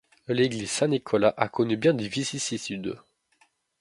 L'église Saint-Nicolas a connu bien des vicissitudes.